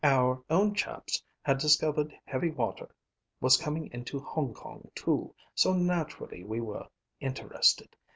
Our own chaps had discovered heavy water was coming into Hong Kong, too, so naturally we were interested.